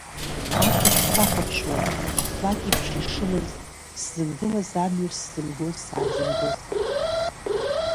Аҵх сахәаҽуан, аԥлакь еиԥш ишымыз, сзынгылаз амҩа сзымгоз, саазымгоз.